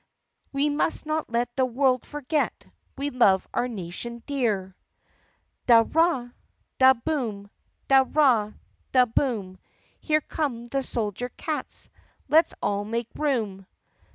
We must not let the world forget We love our nation dear ! v Da! ra! da! boom ! da! ra! da! boom ! Here come the soldier cats ! Let 's all make room